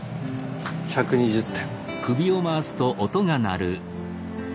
１２０点。